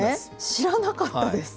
知らなかったです。